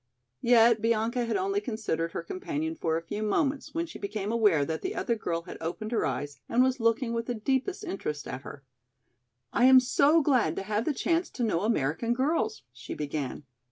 Yet Bianca had only considered her companion for a few moments when she became aware that the other girl had opened her eyes and was looking with the deepest interest at her. "I am so glad to have the chance to know American girls," she began.